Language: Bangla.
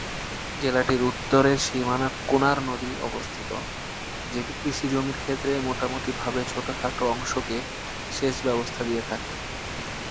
জেলাটির উত্তরের সীমানা কুনার নদী অবস্থিত, যেটি কৃষি জমির ক্ষেত্রে মোটামুটিভাবে ছোটখাটো অংশকে সেচ ব্যবস্থা দিয়ে থাকে।